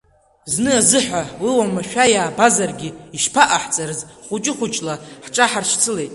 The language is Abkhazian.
Зны-азыҳәа уи омашәа иаабазаргьы, ишԥаҟахҵарыз, хуҷы-хуҷла ҳҽаҳаршьцылеит.